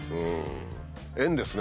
縁ですね